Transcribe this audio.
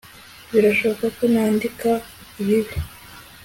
birashoboka ko nandika ibi